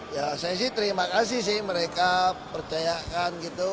ya saya sih terima kasih sih mereka percayakan gitu